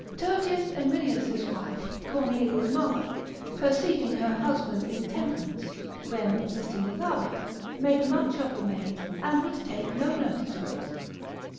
Tertius Emilius' wife, Cornelia's mother, perceiving her husband's intemperance, rem dissimulavit, made much of the maid, and would take no notice of it.